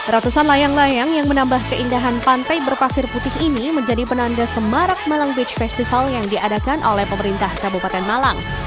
ratusan layang layang yang menambah keindahan pantai berpasir putih ini menjadi penanda semarak malang beach festival yang diadakan oleh pemerintah kabupaten malang